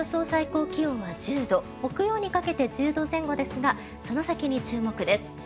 最高気温は１０度木曜にかけて１０度前後ですがその先に注目です。